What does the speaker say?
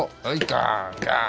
ガンガン！